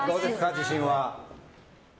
自信は。